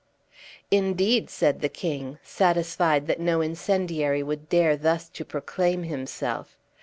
"Indeed!" said the king, satisfied that no incendiary would dare thus to proclaim himself.